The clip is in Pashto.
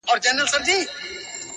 • ستا تصوير خپله هينداره دى زما گراني ،